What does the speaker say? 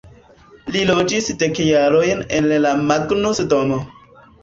Li loĝis dek jarojn en la Magnus-Domo.